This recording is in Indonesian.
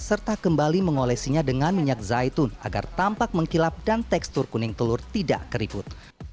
serta kembali mengolesinya dengan minyak zaitun agar tampak mengkilap dan tekstur kuning telur tidak keribut